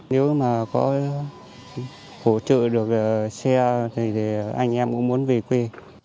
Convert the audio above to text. nếu mà có hỗ trợ được xe thì anh em cũng muốn về quê